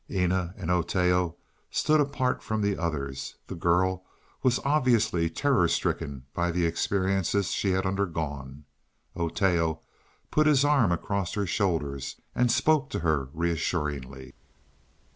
Eena and Oteo stood apart from the others. The girl was obviously terror stricken by the experiences she had undergone. Oteo put his arm across her shoulders, and spoke to her reassuringly.